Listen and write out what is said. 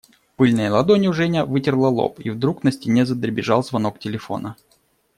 Пыльной ладонью Женя вытерла лоб, и вдруг на стене задребезжал звонок телефона.